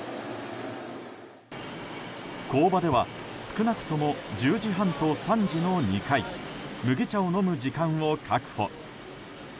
工場では少なくとも１０時半と３時の２回麦茶を飲む時間を確保。